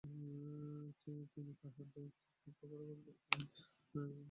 তিনি দেশত্যাগ করে যুক্তরাষ্ট্রে চলে যান।